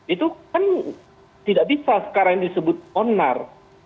itu kan tidak bisa sekarang disebut onar